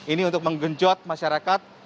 ini untuk menggenjot masyarakat